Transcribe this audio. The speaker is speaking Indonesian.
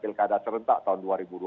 pilkada serentak tahun dua ribu dua puluh